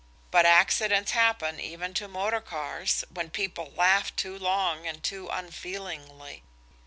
But accidents happen even to motor cars, when people laugh too long and too unfeelingly.